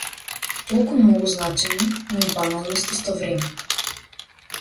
Толку многу значење, но и баналност истовремено.